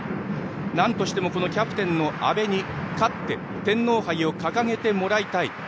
なんとしてもキャプテンの阿部に勝って天皇杯を掲げてもらいたい。